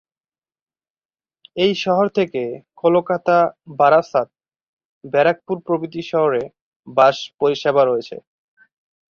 এই শহর থেকে কলকাতা বারাসাত, ব্যারাকপুর প্রভৃতি শহরে বাস পরিসেবা রয়েছে।